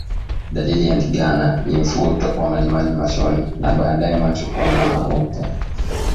Dalili ya ndigana ni mfugo kutokwa majimaji machoni na baadaye macho kuwa na weupe